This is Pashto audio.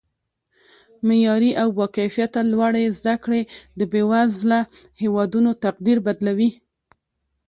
معیاري او با کیفته لوړې زده کړې د بیوزله هیوادونو تقدیر بدلوي